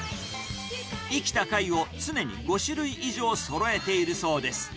生きた貝を常に５種類以上そろえているそうです。